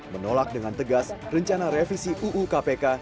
menolak dengan tegas rencana revisi uu kpk